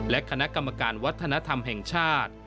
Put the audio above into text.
และคณะกรรมการวัฒนธรรมแห่งชาติ